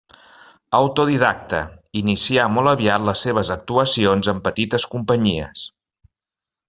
Autodidacta, inicià molt aviat les seves actuacions en petites companyies.